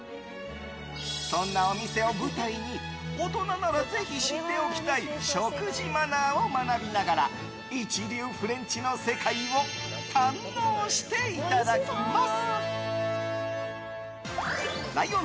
そんなお店を舞台に大人ならぜひ知っておきたい食事マナーを学びながら一流フレンチの世界を堪能していただきます。